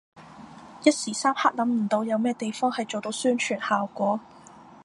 一時三刻諗唔到有咩地方係做到宣傳效果